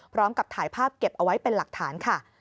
พร้อมกับถ่ายภาพเก็บเอาไว้เป็นหลักฐานค่ะ